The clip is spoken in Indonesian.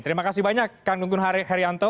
terima kasih banyak kang gunggun herianto